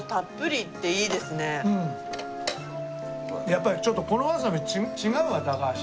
やっぱりちょっとこのわさび違うわ高橋。